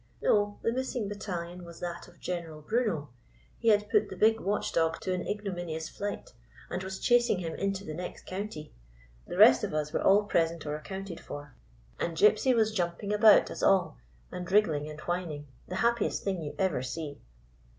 " No. The missing battalion was that of General Bruno. He had put the big watch dog to an ignominious flight, and was chasing him into the next county. The rest of us were all present or accounted for, and Gypsy was jump ing about us all and wriggling and whining, the happiest thing you ever see."